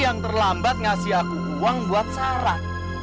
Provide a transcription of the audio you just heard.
yang terlambat ngasih aku uang buat sarah